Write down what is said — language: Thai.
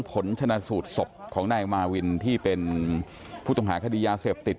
ผลชนะสูตรศพของนายมาวินที่เป็นผู้ต้องหาคดียาเสพติด